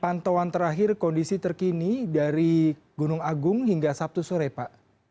pantauan terakhir kondisi terkini dari gunung agung hingga sabtu sore pak